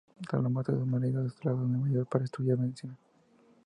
Tras la muerte de su marido se trasladó a Nueva York para estudiar medicina.